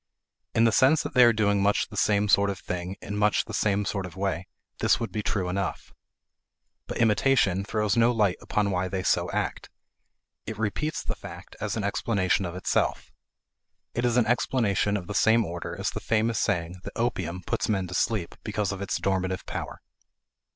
In the sense that they are doing much the same sort of thing in much the same sort of way, this would be true enough. But "imitation" throws no light upon why they so act; it repeats the fact as an explanation of itself. It is an explanation of the same order as the famous saying that opium puts men to sleep because of its dormitive power.